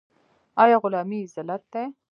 آیا غلامي ذلت دی؟